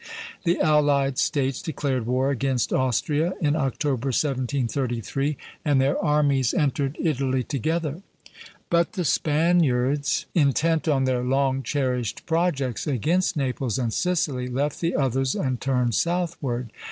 The allied States declared war against Austria in October, 1733, and their armies entered Italy together; but the Spaniards, intent on their long cherished projects against Naples and Sicily, left the others and turned southward.